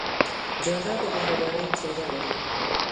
جانداد د مهربانۍ څېرہ لري.